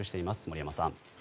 森山さん。